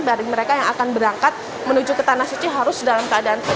dari mereka yang akan berangkat menuju ke tanah suci harus dalam keadaan sehat